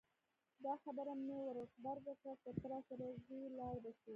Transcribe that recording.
دا خبره مې ور غبرګه کړه که ته راسره ځې لاړ به شو.